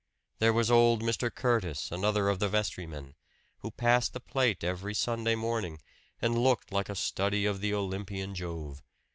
There was old Mr. Curtis, another of the vestrymen, who passed the plate every Sunday morning, and looked like a study of the Olympian Jove.